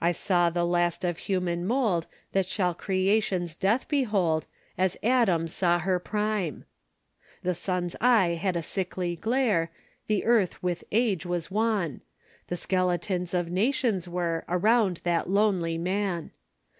I saw the last of human mold That shall creation's death behold, As Adam saw her prime! The sun's eye had a sickly glare, The earth with age was wan; The skeletons of nations were Around that lonely man!